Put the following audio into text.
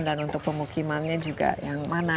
dan untuk pemukimannya juga yang mana